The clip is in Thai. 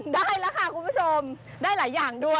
ได้แล้วค่ะคุณผู้ชมได้หลายอย่างด้วย